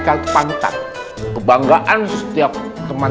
tgroup gil kalid tuan